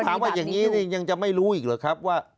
ถ้ายังถามว่าอย่างนี้ยังจะไม่รู้อีกเลยครับว่า